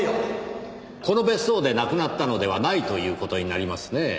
この別荘で亡くなったのではないという事になりますねぇ。